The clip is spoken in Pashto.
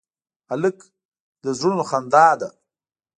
هلک د زړونو خندا ده.